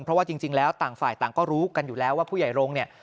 เพราะว่าจริงแล้วต่างฝ่ายต่างก็รู้กันอยู่แล้วว่าผู้ใหญ่รงค์เนี่ย